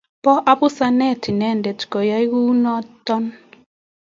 Pa abusnat eng inendet koyay kou notok